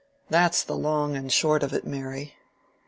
That's the long and the short of it, Mary.